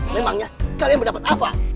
memangnya kalian mendapat apa